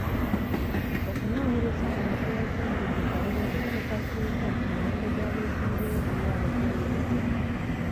Okunoonyereza kuno kulaze nti buli kalulu lwe katuuka omuwendo gw'abeesimbyewo ku lwabwe gweyongera.